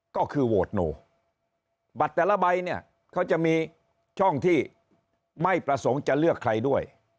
ก็คือโหวตโนบัตรแต่ละใบเนี่ยเขาจะมีช่องที่ไม่ประสงค์จะเลือกใครด้วย